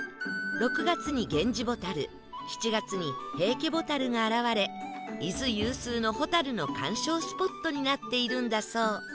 ６月にゲンジボタル７月にヘイケボタルが現れ伊豆有数のホタルの鑑賞スポットになっているんだそう